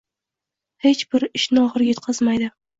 hech bir ishni oxiriga yetkazmaydi